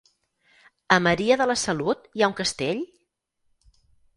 A Maria de la Salut hi ha un castell?